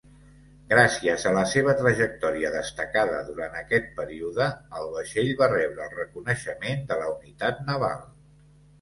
Gràcies a la seva trajectòria destacada durant aquest període, el vaixell va rebre el reconeixement de la Unitat Naval.